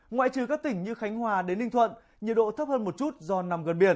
ngoại trừ các tỉnh như khánh hòa đến ninh thuận nhiệt độ thấp hơn một chút do nằm gần biển